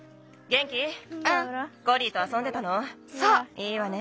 いいわね。